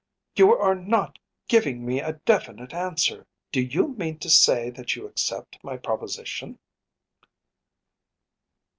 “You are not giving me a definite answer. Do you mean to say that you accept my proposition?